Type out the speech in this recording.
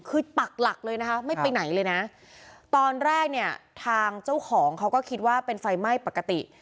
คือปักหลักเลยนะคะไม่ไปไหนเลยนะตอนแรกเนี่ยทางเจ้าของเขาก็คิดว่าเป็นไฟไหม้ปกติ